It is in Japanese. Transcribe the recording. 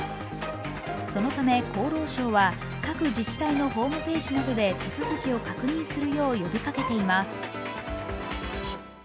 そのため厚労省は各自治体のホームページなどで手続きを確認するよう呼びかけています。